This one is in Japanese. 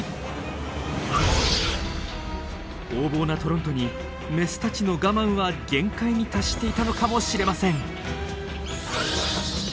横暴なトロントにメスたちの我慢は限界に達していたのかもしれません。